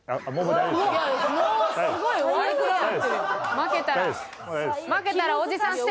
負けたら。